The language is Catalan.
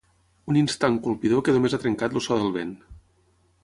Un instant colpidor que només ha trencat el so del vent.